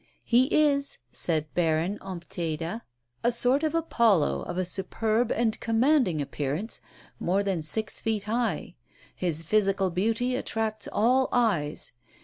"He is," said Baron Ompteda, "a sort of Apollo, of a superb and commanding appearance, more than six feet high; his physical beauty attracts all eyes.